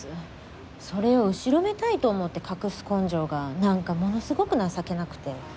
それを後ろめたいと思って隠す根性がなんかものすごく情けなくて。